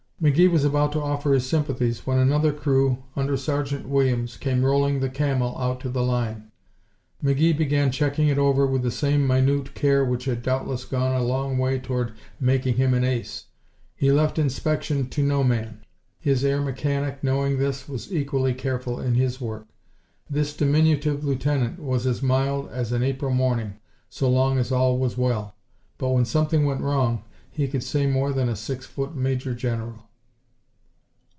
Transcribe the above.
McGee was about to offer his sympathies when another crew, under Sergeant Williams, came rolling the Camel out to the line. McGee began checking it over with the same minute care which had doubtless gone a long way toward making him an ace. He left inspection to no man. His air mechanic, knowing this, was equally careful in his work. This diminutive lieutenant was as mild as an April morning so long as all was well, but when something went wrong he could say more than a six foot Major General.